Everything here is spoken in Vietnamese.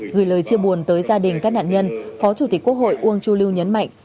gửi lời chia buồn tới gia đình các nạn nhân phó chủ tịch quốc hội uông chu lưu nhấn mạnh